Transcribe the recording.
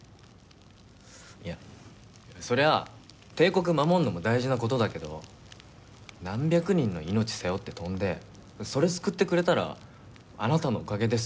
いやそりゃあ定刻守るのも大事な事だけど何百人の命背負って飛んでそれ救ってくれたら「あなたのおかげです。